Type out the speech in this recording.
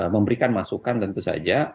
memberikan masukan tentu saja